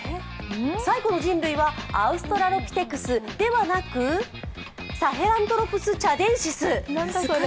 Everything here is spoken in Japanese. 最古の人類は、アウストラロピテクスではなく、サヘラントロプス・チャデンシス。